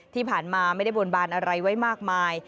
ที่ผ่านมาไม่ได้บนบานอะไรไว้มากมาย